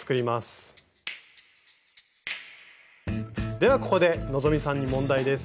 ではここで希さんに問題です。